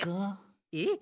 えっ？